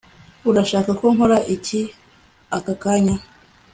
Urashaka ko nkora iki aka kanya